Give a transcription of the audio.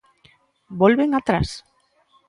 ¿Volven atrás?